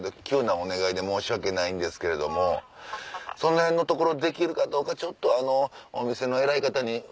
急なお願いで申し訳ないんですけれどもそのへんのところできるかちょっとお店の偉い方に。